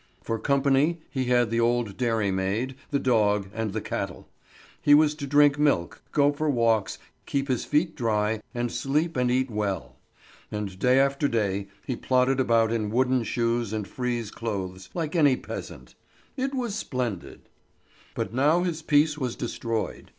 For company he had the old dairymaid, the dog and the cattle. He was to drink milk, go for walks, keep his feet dry, and sleep and eat well. And day after day he plodded about in wooden shoes and frieze clothes like any peasant. It was splendid! But now his peace was destroyed.